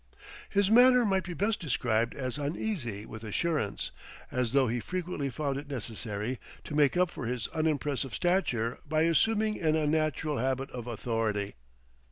His manner might be best described as uneasy with assurance; as though he frequently found it necessary to make up for his unimpressive stature by assuming an unnatural habit of authority.